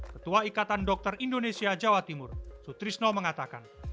ketua ikatan dokter indonesia jawa timur sutrisno mengatakan